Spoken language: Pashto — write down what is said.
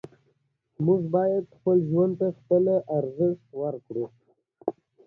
دا کتاب په اتیا ژبو ژباړل شوی دی.